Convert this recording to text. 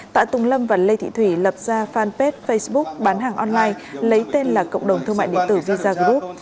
tạ tùng lâm và lê thị thủy lập ra fanpage facebook bán hàng online lấy tên là cộng đồng thương mại điện tử visa group